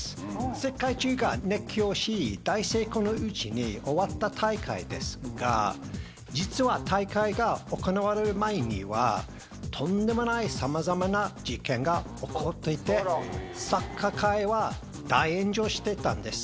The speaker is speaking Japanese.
世界中が熱狂し、大成功のうちに終わった大会ですが、実は大会が行われる前には、とんでもないさまざまな事件が起こっていて、サッカー界は大炎上してたんです。